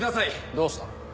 どうした？